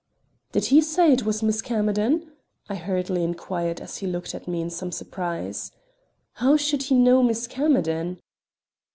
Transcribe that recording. "Did he say it was Miss Camerden?" I hurriedly inquired as he looked at me in some surprise. "How should he know Miss Camerden?"